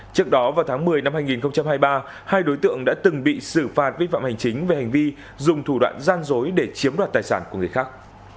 trước đó vào tháng một mươi năm hai nghìn hai mươi ba hai đối tượng đã từng bị xử phạt vi phạm hành chính về hành vi dùng thủ đoạn gian dối để chiếm đoạt tài sản của người khác